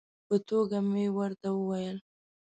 په ټوکه مې ورته وویل.